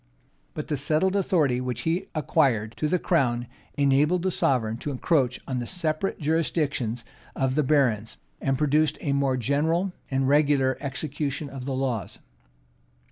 But the settled authority which he acquired to the crown enabled the sovereign to encroach on the separate jurisdictions of the barons, and produced a more general and regular execution of the laws.